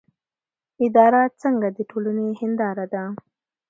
اداره څنګه د ټولنې هنداره ده؟